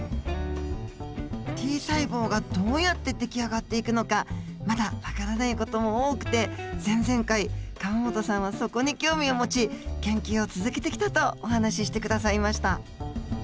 Ｔ細胞がどうやって出来上がっていくのかまだわからない事も多くて前々回河本さんはそこに興味を持ち研究を続けてきたとお話しして下さいました。